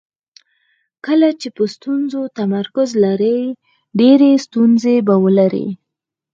کله چې په ستونزو تمرکز لرئ ډېرې ستونزې به ولرئ.